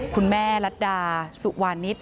คุณแม่รัฐดาสุวานิส